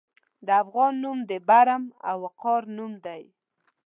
د افغان نوم د برم او وقار نوم دی.